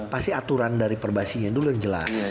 pasti aturan dari perbasinya dulu yang jelas